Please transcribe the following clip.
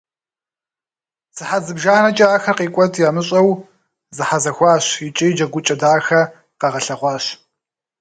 Сыхьэт зыбжанэкӏэ ахэр къикӏуэт ямыщӏэу зэхьэзэхуащ икӏи джэгукӏэ дахэ къагъэлъэгъуащ.